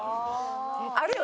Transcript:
あるよ。